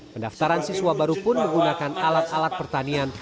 pendaftaran siswa baru pun menggunakan alat alat pertanian